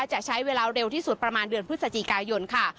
จะใช้เวลาเร็วที่สุดประมาณเดือนพฤศจิกายนค่ะ